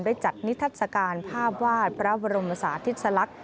ได้จัดนิทัศกาลภาพวาดพระบรมศาสตร์ทฤษลักษณ์